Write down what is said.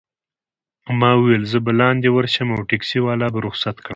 ما وویل: زه به لاندي ورشم او ټکسي والا به رخصت کړم.